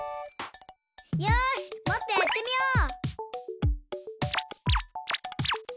よしもっとやってみよう！